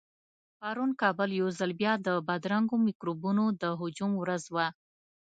پرون کابل يو ځل بيا د بدرنګو مکروبونو د هجوم ورځ وه.